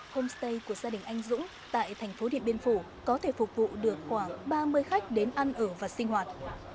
homestay của gia đình anh dũng tại thành phố điện biên phủ có thể phục vụ được khoảng ba mươi khách đến ăn ở và sinh hoạt